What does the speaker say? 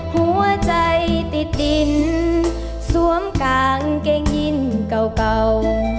หัวใจติดดินสวมกางเกงยินเก่า